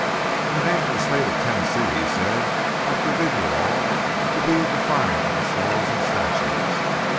"In the name of the State of Tennessee," he said, "I forbid you all to be a defyin' of its laws and statutes.